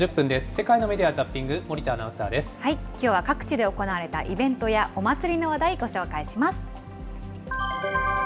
世界のメディア・ザッピング、きょうは各地で行われたイベントやお祭りの話題、ご紹介します。